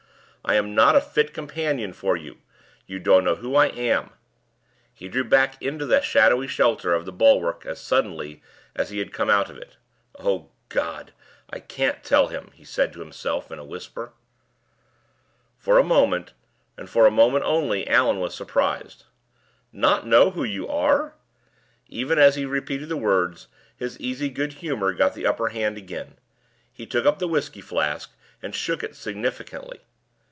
I am not a fit companion for you. You don't know who I am." He drew back into the shadowy shelter of the bulwark as suddenly as he had come out from it. "O God! I can't tell him," he said to himself, in a whisper. For a moment, and for a moment only, Allan was surprised. "Not know who you are?" Even as he repeated the words, his easy goodhumor got the upper hand again. He took up the whisky flask, and shook it significantly.